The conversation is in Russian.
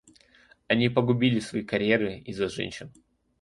Они погубили свои карьеры из-за женщин.